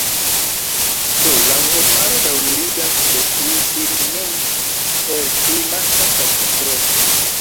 Do la homaro daŭrigas detrui sin mem per klimata katastrofo.